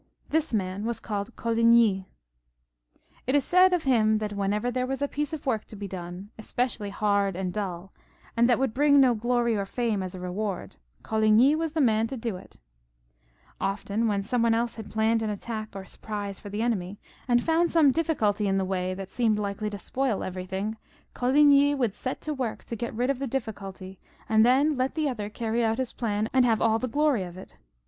This man was called Coligny. It is said of him that whenever there was a piece of work to be done, specially hard and dull, and that would bring no glory or fame as a reward, Coligny was the man to do it Often, when some one else had planned some attack or surprise for the enemy, and found some difficulty come in the way and seem likely to spoil everything, Coligny would set to work to get rid of the difficulty, and then let the other carry out his plan and have aU the glory of it.